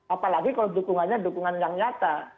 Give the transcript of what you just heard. apalagi kalau dukungannya dukungan yang nyata